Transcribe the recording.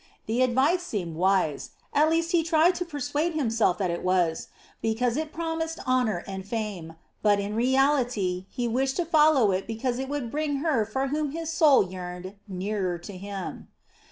The advice seemed wise at least he tried to persuade himself that it was because it promised honor and fame, but in reality he wished to follow it because it would bring her for whom his soul yearned nearer to him.